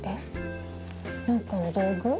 何かの道具？